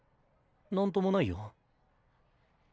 なんともないよ。